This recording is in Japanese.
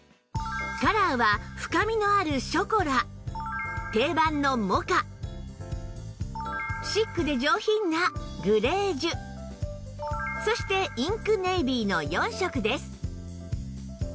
カラーは深みのあるショコラ定番のモカシックで上品なグレージュそしてインクネイビーの４色です